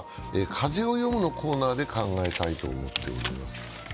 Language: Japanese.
「風をよむ」のコーナーで考えたいと思っています。